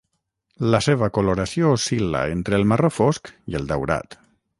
La seva coloració oscil·la entre el marró fosc i el daurat.